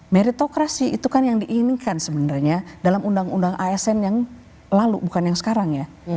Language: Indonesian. meritokrasi itu kan yang diinginkan sebenarnya dalam undang undang asn yang lalu bukan yang sekarang ya